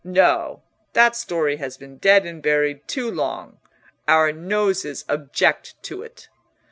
No: that story has been dead and buried too long—our noses object to it."